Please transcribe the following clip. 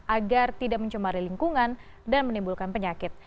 agar tidak mencemari lingkungan dan menimbulkan penyakit